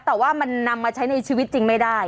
แต่ว่ามันนำมาใช้ในชีวิตจริงไม่ได้